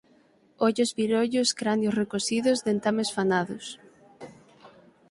Ollos birollos, cranios recosidos, dentames fanados...